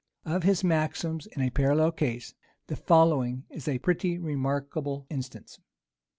Of his maxims in a parallel case, the following is a pretty remark able instance.